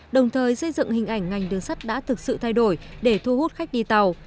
đồng thời xây dựng hình ảnh ngành đường sắt đã thực sự thay đổi để thu hút khách đi tàu